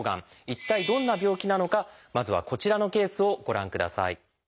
一体どんな病気なのかまずはこちらのケースをご覧ください。